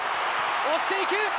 押して行く。